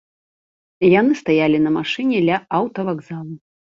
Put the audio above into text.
Яны стаялі на машыне ля аўтавакзала.